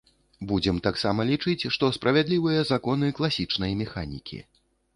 Будзем таксама лічыць, што справядлівыя законы класічнай механікі.